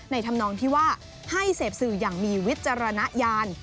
ทำนองที่ว่าให้เสพสื่ออย่างมีวิจารณญาณ